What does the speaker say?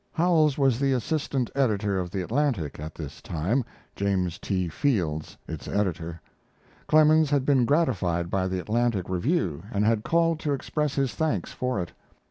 Howells was assistant editor of the Atlantic at this time; James T. Fields, its editor. Clemens had been gratified by the Atlantic review, and had called to express his thanks for it.